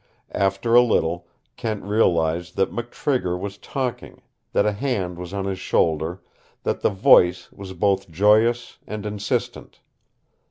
After a little Kent realized that McTrigger was talking, that a hand was on his shoulder, that the voice was both joyous and insistent.